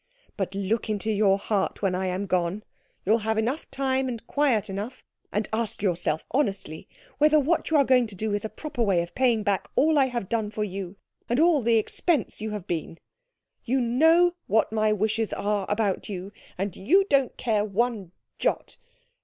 But look into your heart when I am gone you'll have time enough and quiet enough and ask yourself honestly whether what you are going to do is a proper way of paying back all I have done for you, and all the expense you have been. You know what my wishes are about you, and you don't care one jot.